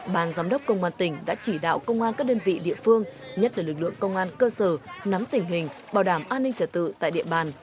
bàn giám đốc công an tỉnh đã chỉ đạo công an các đơn vị địa phương nhất là lực lượng công an cơ sở nắm tình hình bảo đảm an ninh trả tự tại địa bàn